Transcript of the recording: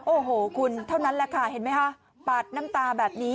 โอ้โหคุณเท่านั้นแล้วค่ะเห็นไหมฮะ